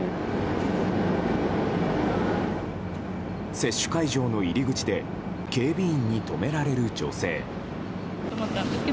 接種会場の入り口で警備員に止められる女性。